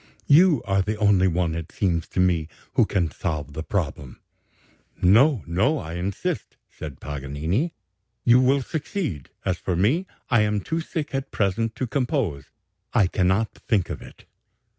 You are the only one, it seems to me, who can solve the problem.' 'No, no; I insist,' said Paganini; 'you will succeed; as for me, I am too sick at present to compose; I cannot think of it.'